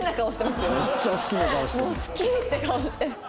もう好きって顔してる。